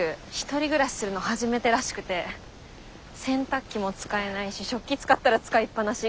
１人暮らしするの初めてらしくて。洗濯機も使えないし食器使ったら使いっぱなし。